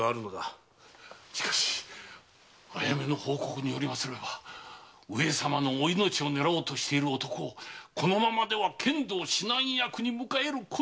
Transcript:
しかしあやめの報告によりますれば上様のお命を狙おうとしている男をこのままでは剣道指南役に迎えることに！